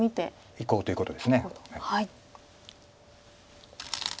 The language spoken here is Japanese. いこうということです。